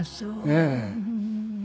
ええ。